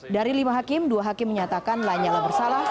dari lima hakim dua hakim menyatakan lanyala bersalah